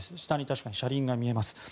下に車輪が見えます。